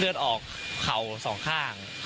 เลือดออกเข่าสองข้าง